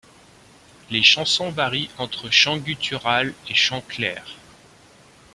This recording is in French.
Les chansons varient entre chant guttural et chant clair.